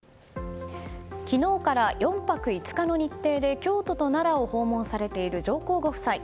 昨日から４泊５日の日程で京都と奈良を訪問されている上皇ご夫妻。